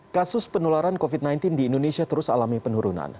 kasus penularan covid sembilan belas di indonesia terus alami penurunan